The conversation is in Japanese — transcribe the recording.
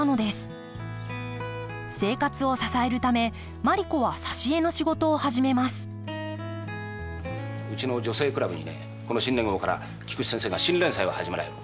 生活を支えるためマリ子は挿絵の仕事を始めますうちの「女性倶楽部」にねこの新年号から菊池先生が新連載を始められる。